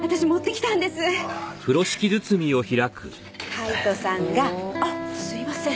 カイトさんがあっすいません。